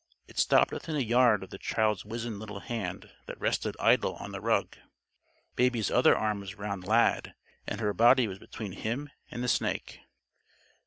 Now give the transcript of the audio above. It stopped within a yard of the child's wizened little hand that rested idle on the rug. Baby's other arm was around Lad, and her body was between him and the snake.